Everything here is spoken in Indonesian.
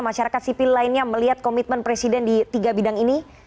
masyarakat sipil lainnya melihat komitmen presiden di tiga bidang ini